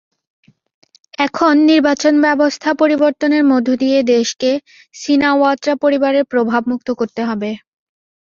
এখন নির্বাচনব্যবস্থা পরিবর্তনের মধ্য দিয়ে দেশকে সিনাওয়াত্রা পরিবারের প্রভাবমুক্ত করতে হবে।